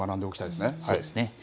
そうですね。